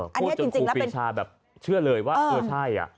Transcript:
พูดจนครูปีชาแบบเชื่อเลยว่าเออใช่